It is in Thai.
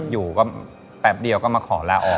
อยู่ก็แป๊บเดียวก็มาขอลาออก